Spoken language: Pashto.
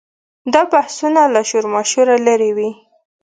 دا بحثونه له شورماشوره لرې وي.